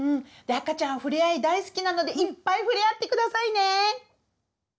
赤ちゃんふれあい大好きなのでいっぱいふれあってくださいね！